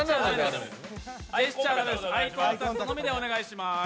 アイコンタクトのみでお願いします。